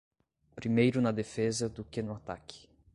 Primeiro na defesa do que no ataque.